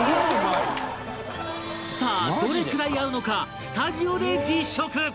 さあどれくらい合うのかスタジオで実食